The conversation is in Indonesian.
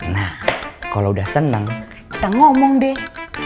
nah kalau udah senang kita ngomong deh